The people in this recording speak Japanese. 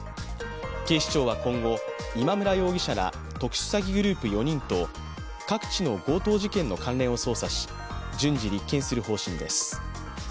警視庁は今後、今村容疑者ら特殊詐欺グループ４人と各地の強盗事件の関連を捜査し順次立件する方針です。